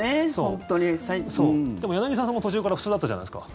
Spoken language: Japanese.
でも、柳澤さんも途中から普通だったじゃないですか。